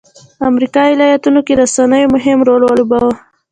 په امریکا متحده ایالتونو کې رسنیو مهم رول ولوباوه.